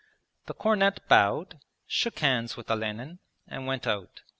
The cornet bowed, shook hands with Olenin, and went out.